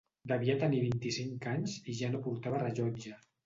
Devia tenir vint-i-cinc anys i ja no portava rellotge.